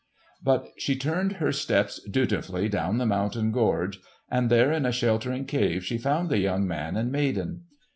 But she turned her steps dutifully down the mountain gorge, and there in a sheltering cave she found the young man and maiden.